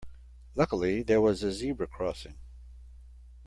Luckily there was a zebra crossing.